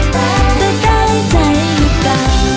แฮบบิบเตอร์เตตโนโย